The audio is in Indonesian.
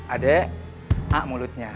ade hak mulutnya